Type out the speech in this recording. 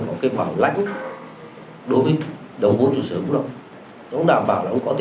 cái ổn định chính sách